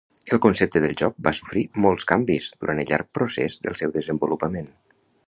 El concepte del joc va sofrir molts canvis durant el llarg procés del seu desenvolupament.